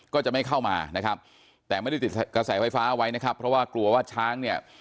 ก็จะไม่เข้ามานะครับแต่ไม่ได้ติดกระแสไฟฟ้าไว้นะครับเพราะว่ากลัวว่าช้างเนี่ย